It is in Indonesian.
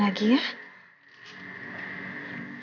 belum masih ada trailator